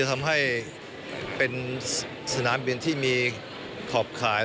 ทำให้เป็นสนามบินที่มีขอบขาย